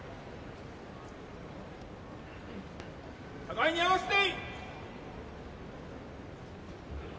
互いに合わせて。